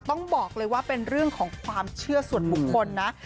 ต้องบอกเลยว่าเป็นเรื่องของความเชื่อส่วนบุคคลนะ